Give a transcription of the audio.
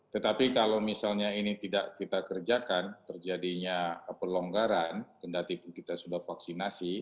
tetapi kalau misalnya ini tidak kita kerjakan terjadinya pelonggaran kendatipun kita sudah vaksinasi